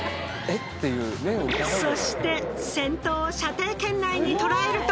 そして先頭を射程圏内に捉えると。